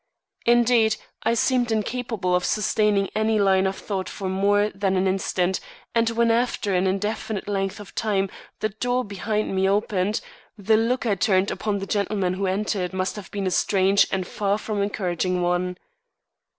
Indeed, I seemed incapable of sustaining any line of thought for more than an instant, and when after an indefinite length of time the door behind me opened, the look I turned upon the gentleman who entered must have been a strange and far from encouraging one.